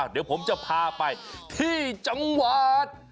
เดี๋ยวผมจะพาไปที่จังหวัด